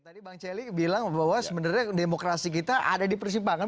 tadi bang celi bilang bahwa sebenarnya demokrasi kita ada di persimpangan